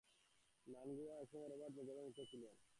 Mnangagwa একসময় Robert মুগাবের মিত্র ছিলেন।